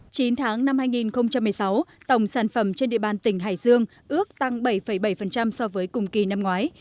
chín tháng năm hai nghìn một mươi sáu tổng sản phẩm trên địa bàn tỉnh hải dương ước tăng bảy bảy so với cùng kỳ năm ngoái